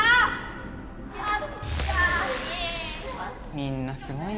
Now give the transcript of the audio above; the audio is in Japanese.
みんなすごいな。